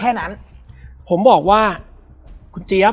แล้วสักครั้งหนึ่งเขารู้สึกอึดอัดที่หน้าอก